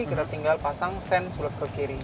kita tinggal pasang sen sebelah ke kiri